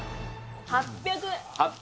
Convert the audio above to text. ８００。